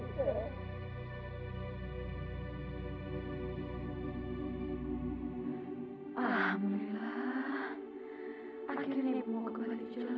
saya nggak tahu aisyah kemana lagi ya du